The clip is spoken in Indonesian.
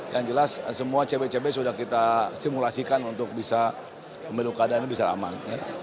yang jelas are semua cbcb sudah kita simulasikan untuk pemilu keadaan ini bisa aman